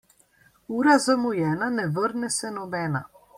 Ura zamujena ne vrne se nobena.